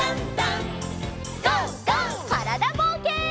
からだぼうけん。